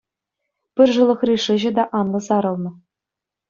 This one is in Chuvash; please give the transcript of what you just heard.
Пыршӑлӑхри шыҫӑ та анлӑ сарӑлнӑ.